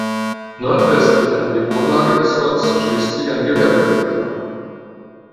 Nordwestlich an die Wohnlage des Orts schließt sich ein Gewerbegebiet an.